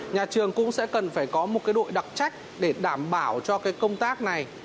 nhà trường cũng sẽ cần phải có một đội đặc trách để đảm bảo cho cái công tác này